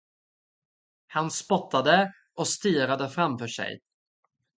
Han spottade, och stirrade framför sig.